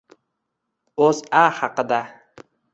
O‘zA haqida